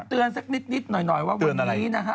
เตือนสักนิดหน่อยว่าวันนี้นะฮะ